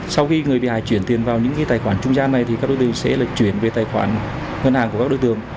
sau khi người bị hại chuyển tiền vào những tài khoản trung gian này thì các đối tượng sẽ chuyển về tài khoản ngân hàng của các đối tượng